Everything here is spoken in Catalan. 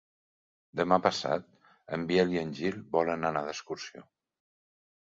Demà passat en Biel i en Gil volen anar d'excursió.